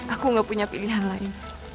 aku gak punya pilihan lain